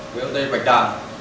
của bot bạch đằng